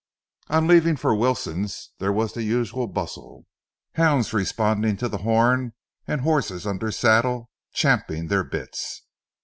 On leaving for Wilson's, there was the usual bustle; hounds responding to the horn and horses under saddle champing their bits.